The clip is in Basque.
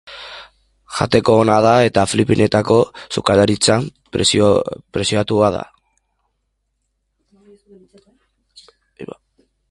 Jateko ona da eta Filipinetako sukaldaritzan preziatua da.